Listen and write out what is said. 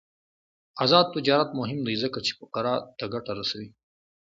آزاد تجارت مهم دی ځکه چې فقراء ته ګټه رسوي.